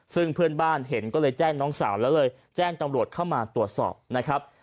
ซึ่งเพื่อนบ้านเห็นก็เลยแจ้งน้องสาวแล้วเลยแจ้งจำรวจเข้ามาตรวจสอบนะครับ